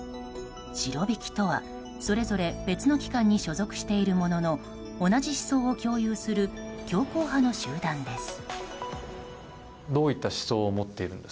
シロビキとは、それぞれ別の機関に所属しているものの同じ思想を共有する強硬派の集団です。